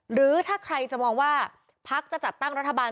หรือถ้าใครจะมองว่าพักจะจัดตั้งรัฐบาล